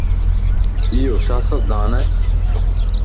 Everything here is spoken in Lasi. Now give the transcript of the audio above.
ايو سياستدان ائي